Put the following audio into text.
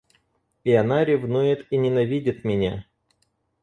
И она ревнует и ненавидит меня.